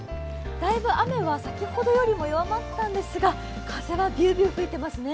だいぶ雨は先ほどよりは弱まったんですが、風はびゅーびゅー吹いてますね。